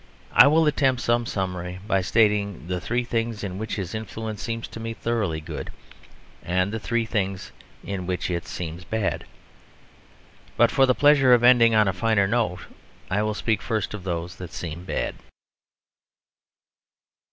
I will attempt some summary by stating the three things in which his influence seems to me thoroughly good and the three in which it seems bad. But for the pleasure of ending on the finer note I will speak first of those that seem bad.